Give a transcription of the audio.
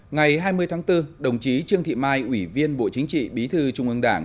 ngày hai mươi tháng bốn đồng chí trương thị mai ủy viên bộ chính trị bí thư trung ương đảng